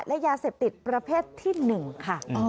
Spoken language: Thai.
และยาเสพติดประเภทที่๑ค่ะ